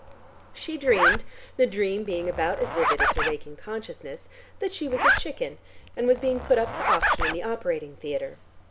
She dreamed the dream being about as vivid as her waking consciousness that she was a chicken, and was being put up to auction in the operating theatre.